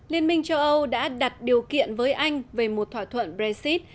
liên minh châu âu đã đặt điều kiện với anh về một thỏa thuận brexit